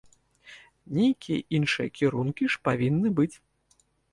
Нейкія іншыя кірункі ж павінны быць!